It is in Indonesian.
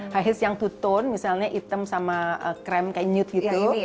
high heels yang two tone misalnya item sama krem kayak nude gitu